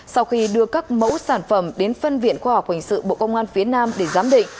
sau khi đưa các mẫu sản phẩm đến phân viện khoa học hình sự bộ công an phía nam để giám định